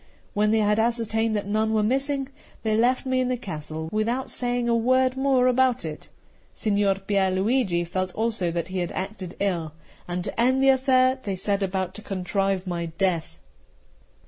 When they had ascertained that none were missing, they left me in the castle without saying a word more about it. Signor Pier Luigi felt also that he had acted ill; and to end the affair, they set about to contrive my death.